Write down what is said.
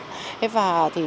thế và thì chúng ta